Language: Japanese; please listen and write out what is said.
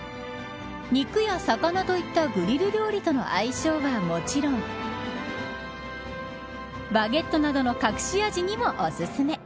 肉や魚といったグリル料理との相性はもちろんバゲットなどの隠し味にもおすすめ。